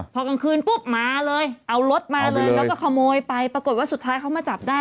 พอกลางคืนปุ๊บมาเลยเอารถมาเลยแล้วก็ขโมยไปปรากฏว่าสุดท้ายเขามาจับได้